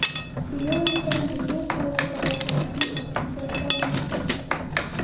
د یو انسان د یو کال لپاره کافي اکسیجن تولید کړ